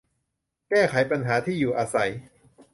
แก้ไขปัญหาที่อยู่อาศัย